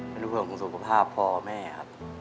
เป็นเรื่องของสุขภาพพ่อแม่ครับ